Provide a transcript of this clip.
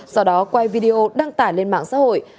sau đó quay video đăng tải lên mạng xã hội